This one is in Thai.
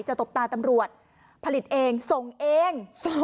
ตบตาตำรวจผลิตเองส่งเอง